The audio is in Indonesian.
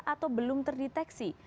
atau belum terdeteksi